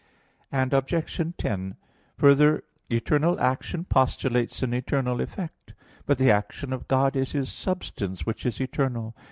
Obj. 10: Further, eternal action postulates an eternal effect. But the action of God is His substance, which is eternal.